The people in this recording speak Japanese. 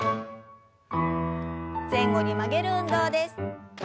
前後に曲げる運動です。